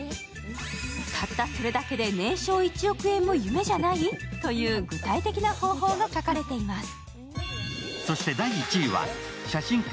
たったそれだけで年商１億円も夢じゃないという具体的な方法が書かれています。